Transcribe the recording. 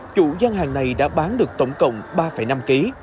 chủ gian hàng này đã bán được tổng cộng ba năm kg